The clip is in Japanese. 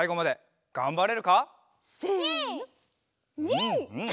うんうん！